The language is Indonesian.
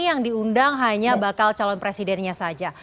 yang diundang hanya bakal calon presidennya saja